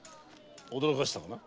驚かせたかな？